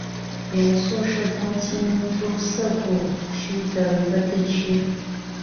原宿是东京都涩谷区的一个地区。